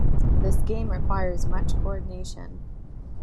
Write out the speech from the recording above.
This game requires much coordination.